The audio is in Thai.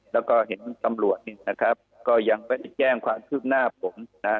แล้วก็เห็นกำลัวนี่นะครับก็ยังไปแย่งความคืบหน้าผมนะฮะ